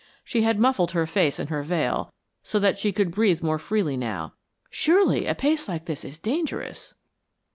She had muffled her face in her veil, so that she could breathe more freely now. "Surely a pace like this is dangerous."